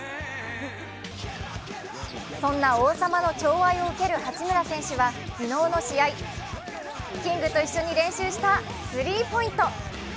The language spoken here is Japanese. そんな王様のちょう愛を受ける八村選手は昨日の試合、キングと一緒に練習したスリーポイント。